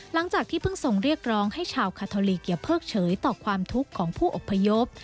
หลังจากที่เพิ่งทรงเรียกร้องให้ชาวคาทอลีเกียกเฉยต่อความทุกข์ของผู้อบพยพ